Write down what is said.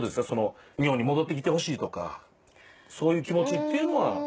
その日本に戻ってきてほしいとかそういう気持ちっていうのは？